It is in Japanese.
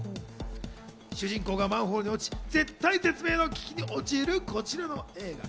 主人公がマンホールに落ち、絶体絶命の危機に陥るこちらの映画。